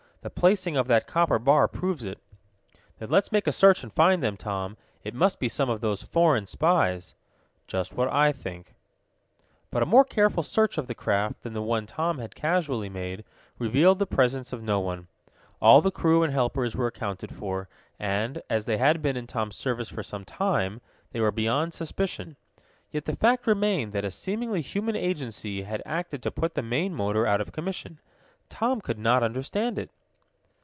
The placing of that copper bar proves it." "Then let's make a search and find them, Tom. It must be some of those foreign spies." "Just what I think." But a more careful search of the craft than the one Tom had casually made revealed the presence of no one. All the crew and helpers were accounted for, and, as they had been in Tom's service for some time, they were beyond suspicion. Yet the fact remained that a seemingly human agency had acted to put the main motor out of commission. Tom could not understand it.